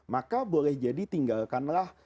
maka boleh jadi tinggalkanlah